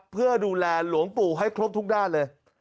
เพื่อดูแลหลวงปู่ให้ครบทุกด้านเลย